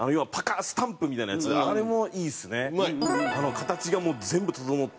形がもう全部整って。